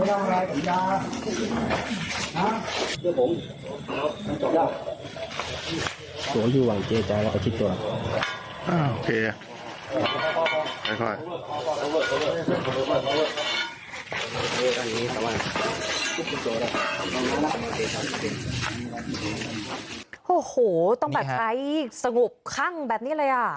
โอ้โหต้องแบบใช้สงบคั่งแบบนี้เลยอ่ะ